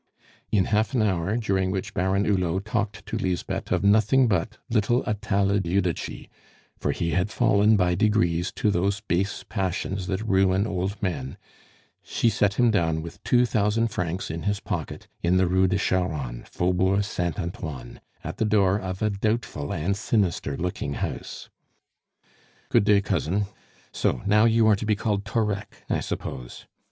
In half an hour, during which Baron Hulot talked to Lisbeth of nothing but little Atala Judici for he had fallen by degrees to those base passions that ruin old men she set him down with two thousand francs in his pocket, in the Rue de Charonne, Faubourg Saint Antoine, at the door of a doubtful and sinister looking house. "Good day, cousin; so now you are to be called Thorec, I suppose?